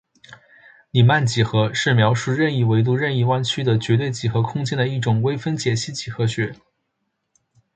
黎曼几何是描述任意维数任意弯曲的绝对几何空间的一种微分解析几何学。